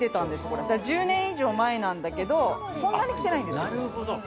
これ、１０年以上前だけど、そんなに着てないんですよ。